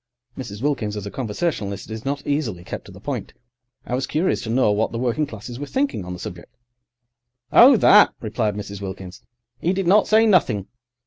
Mrs. Wilkins as a conversationalist is not easily kept to the point. I was curious to know what the working classes were thinking on the subject. "Oh, that," replied Mrs. Wilkins, "'e did not say nothing.